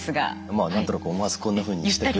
まあ何となく思わずこんなふうにしたく。